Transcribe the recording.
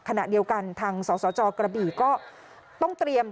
ขณะเดียวกันทางสสจกระบี่ก็ต้องเตรียม